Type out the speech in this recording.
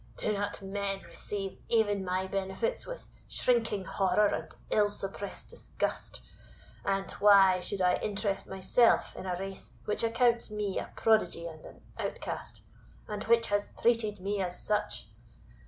Do not men receive even my benefits with shrinking horror and ill suppressed disgust? And why should I interest myself in a race which accounts me a prodigy and an outcast, and which has treated me as such?